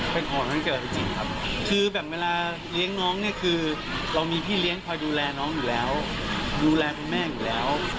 เป็นความที่เกิดให้จริงครับคือแบบเวลาเลี้ยงน้องเนี่ยคือเรามีพี่เลี้ยงพาดูแลน้องอยู่แล้ว